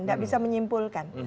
tidak bisa menyimpulkan